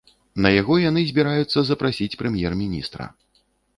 На яго яны збіраюцца запрасіць прэм'ер-міністра.